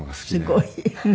すごい。